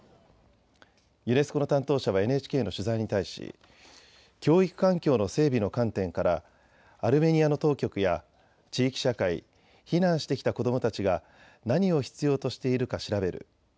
ユネスコの担当者はＮＨＫの取材に対し教育環境の整備の観点からアルメニアの当局や地域社会、避難してきた子どもたちが何を必要としているか調べる。